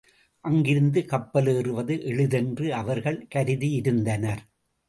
அங்கிருந்து கப்பலேறுவது எளிதென்று அவர்கள் கருதியிருந்தனர்.